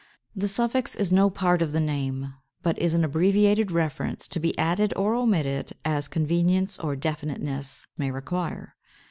The suffix is no part of the name, but is an abbreviated reference, to be added or omitted as convenience or definiteness may require.